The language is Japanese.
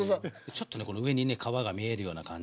ちょっとね上にね皮が見えるような感じで。